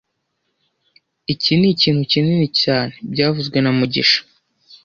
Iki nikintu kinini cyane byavuzwe na mugisha